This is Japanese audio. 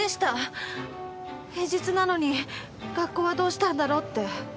平日なのに学校はどうしたんだろうって。